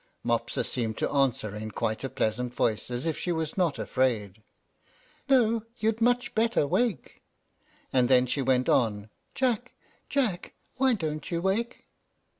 Mopsa seemed to answer in quite a pleasant voice, as if she was not afraid, "No, you'd much better wake." And then she went on, "Jack! Jack! why don't you wake!"